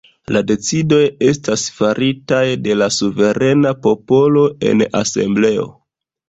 La decidoj estas faritaj de la suverena popolo en asembleo.